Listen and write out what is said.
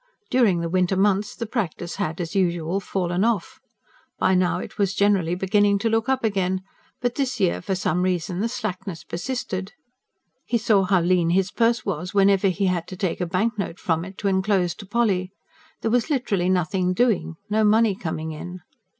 During the winter months the practice had as usual fallen off. By now it was generally beginning to look up again; but this year, for some reason, the slackness persisted. He saw how lean his purse was, whenever he had to take a banknote from it to enclose to Polly; there was literally nothing doing, no money coming in.